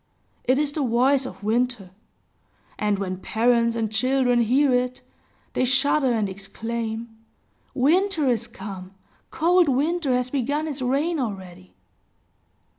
It is the voice of Winter; and when parents and children bear it, they shudder and exclaim, "Winter is come! Cold Winter has begun his reign already!"